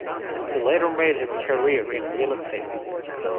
He later made his career in real estate.